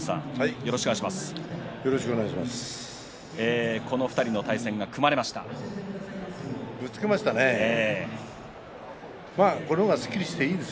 よろしくお願いします。